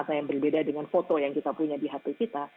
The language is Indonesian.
atau ada yang berbeda dengan foto yang kita punya di hati kita